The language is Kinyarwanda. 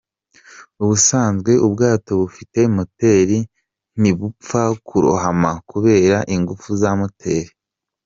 Ubusanzwe ubwato bufite moteti ntibupfa kurohama kubera ingufu za moteri.